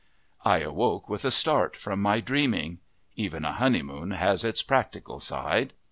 I awoke with a start from my dreaming. Even a honeymoon has its practical side!